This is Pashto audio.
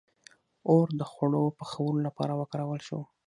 • اور د خوړو پخولو لپاره وکارول شو.